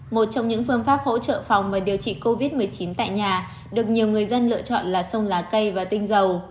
một trong những phương pháp hỗ trợ phòng và điều trị covid một mươi chín tại nhà được nhiều người dân lựa chọn là sông lá cây và tinh dầu